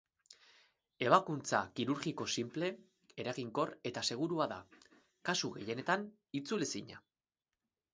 Ebakuntza kirurgiko sinple, eraginkor eta segurua da, kasu gehienetan itzulezina.